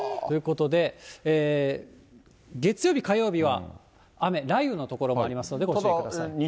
ということで、月曜日、火曜日は雨、雷雨の所がありますので、ご注意ください。